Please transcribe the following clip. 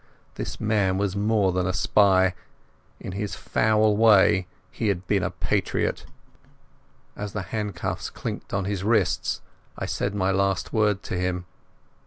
This man was more than a spy; in his foul way he had been a patriot. As the handcuffs clinked on his wrists I said my last word to him.